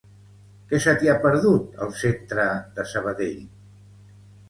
Què se t'hi ha perdut, al Centre de Sabadell?